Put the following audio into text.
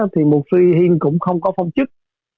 thì mục sư hiên cũng không có phong chức